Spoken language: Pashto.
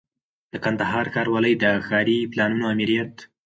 د کندهار ښاروالۍ د ښاري پلانونو آمریت